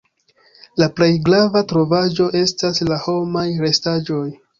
La plej grava trovaĵo estas la homaj restaĵoj.